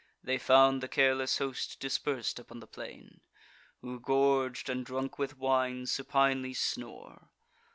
They found the careless host dispers'd upon the plain, Who, gorg'd, and drunk with wine, supinely snore.